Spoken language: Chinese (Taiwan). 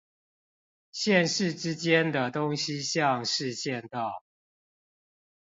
縣市之間的東西向市縣道